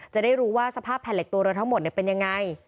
จะได้รู้ว่าสภาพแผ่นเหล็กตัวเรือทั้งหมดเป็นยังไง